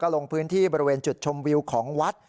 ลงพื้นที่บริเวณจุดชมวิวของวัด